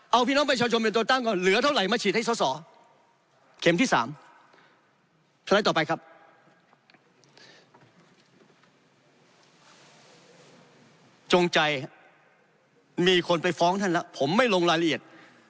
เอาพี่น้องไปชาวชมในตัวตั้งก่อนเหลือเท่าไหร่มาฉีดให้สอ